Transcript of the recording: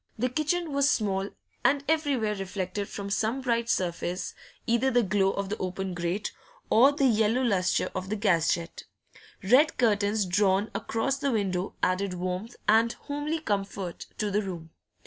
The kitchen was small, and everywhere reflected from some bright surface either the glow of the open grate or the yellow lustre of the gas jet; red curtains drawn across the window added warmth and homely comfort to the room.